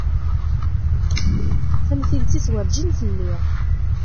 Tamtilt-is werǧin telli.